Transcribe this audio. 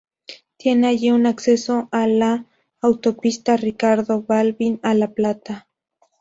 Tiene allí un acceso a la Autopista Ricardo Balbín, a La Plata.